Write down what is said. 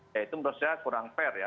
ya itu menurut saya kurang fair ya